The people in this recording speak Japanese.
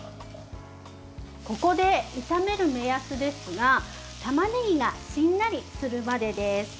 ここで炒める目安ですがたまねぎがしんなりするまでです。